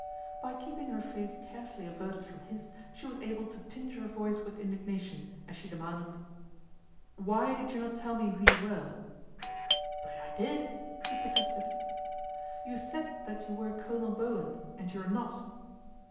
By keeping her face carefully averted from his, she was able to tinge her voice with indignation as she demanded :' Why did you not tell me who you were ?"" But I did," he protested. ' You said that you were Colonel Bowen, and you are not."